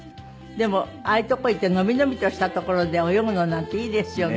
でもああいう所へ行って伸び伸びとした所で泳ぐのなんていいですよね。